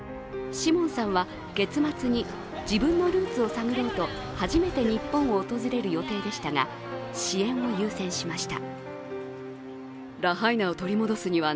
シモンさんは月末に自分のルーツを探ろうと初めて日本を訪れる予定でしたが支援を優先しました。